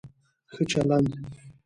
ښه چلند